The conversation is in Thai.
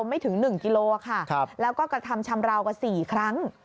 ไม่ถึง๑กิโลค่ะแล้วก็กระทำชำราวกว่า๔ครั้ง